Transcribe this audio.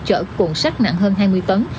chở cuộn xác nặng hơn hai mươi tấn